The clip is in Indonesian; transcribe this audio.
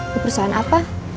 di perusahaan apa